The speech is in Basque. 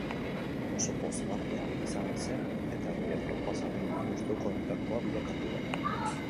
Oso pozgarria izan zen eta nire proposamenik gustukoenetakoa bilakatu da.